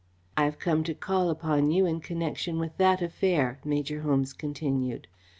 "I have come to call upon you in connection with that affair," Major Holmes continued.